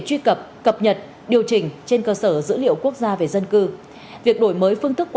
truy cập cập nhật điều chỉnh trên cơ sở dữ liệu quốc gia về dân cư việc đổi mới phương thức